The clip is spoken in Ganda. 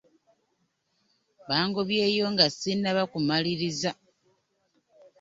Bangobyeyo nga ssinnaba kumaliriza.